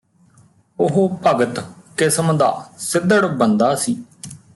ਉਹ ਭਗਤ ਕਿਸਮ ਦਾ ਸਿੱਧੜ ਬੰਦਾ ਸੀ